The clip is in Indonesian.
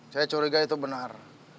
saya curiga itu benar